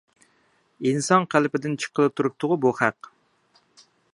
ئىنسان قېلىپىدىن چىققىلى تۇرۇپتىغۇ بۇ خەق.